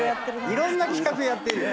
いろんな企画やってる。